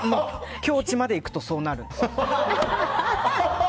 境地までいくとそうなるんです。